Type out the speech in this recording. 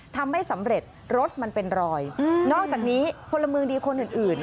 ทำไม่สำเร็จรถมันเป็นรอยนอกจากนี้พลเมืองดีคนอื่นอื่น